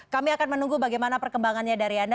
kami akan menunggu bagaimana perkembangannya dari anda